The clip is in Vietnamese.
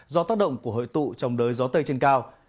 do tác động của hội tụ trong đới gió tây trên cao